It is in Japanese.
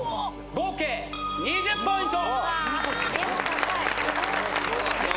合計２３ポイント！